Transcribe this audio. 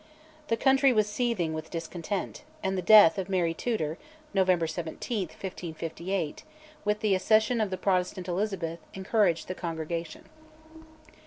The country was seething with discontent, and the death of Mary Tudor (November 17, 1558), with the accession of the Protestant Elizabeth, encouraged the Congregation.